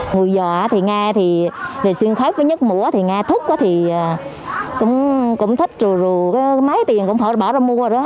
người già thì nghe thì xương khớp với nhất mũa thì nghe thuốc thì cũng thích trù rù mấy tiền cũng phải bỏ ra mua đó